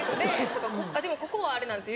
でもここはあれなんですよ